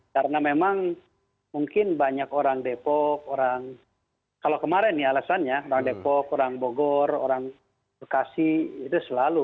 karena memang mungkin banyak orang depok orang kalau kemarin nih alasannya orang depok orang bogor orang bekasi itu selalu